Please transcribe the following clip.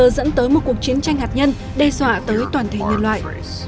dẫn tới một cuộc chiến tranh hạt nhân đe dọa tới toàn thể nhân loại